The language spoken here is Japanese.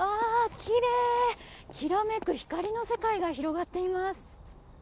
きらめく光の世界が広がっています。